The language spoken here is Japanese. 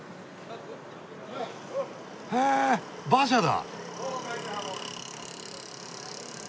へぇ馬車だ！